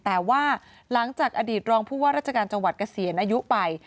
แต่ว่าหลังจากอดีตรองผู้ว่าราชการจังหวัดเกษียณอายุไป